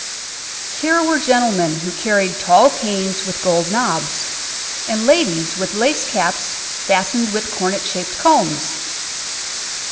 Here were gentlemen who carried tall canes with gold knobs, and ladies with lace caps fastened with coronet shaped combs.